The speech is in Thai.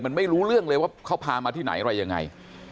มันไม่รู้เรื่องเลยว่าเขาพามาที่ไหนอะไรยังไง